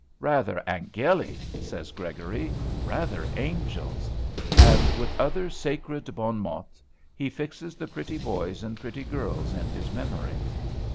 "Rather Angeli," says Gregory, "rather angels;" and with other sacred bon mots he fixes the pretty boys and pretty girls in his memory.